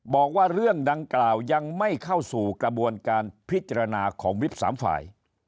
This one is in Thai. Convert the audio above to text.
บอกว่าเรื่องดังกล่าวยังไม่เข้าสู่กระบวนการพิจารณาของวิบสามฝ่าย